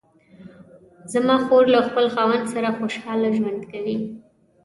زما خور له خپل خاوند سره خوشحاله ژوند کوي